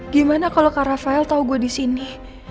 gimana kalo kak raffael tau gue disini